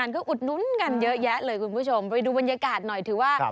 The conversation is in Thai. คุณผู้ชมไปดูบรรยากาศหน่อยถือว่า